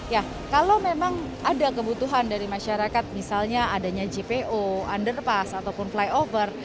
ya kalau memang ada kebutuhan dari masyarakat misalnya adanya jpo underpass ataupun flyover